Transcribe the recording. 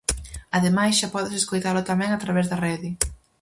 Ademais, xa podes escoitalo tamén a través da rede.